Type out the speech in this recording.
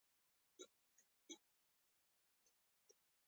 د خدای دپاره! حماسې مه لیکه